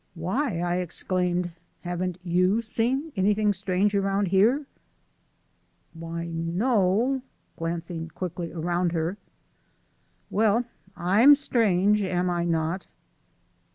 "Why," I exclaimed, "haven't you seen anything strange around here?'" "Why, no " glancing quickly around her. "Well, I'm strange, am I not?"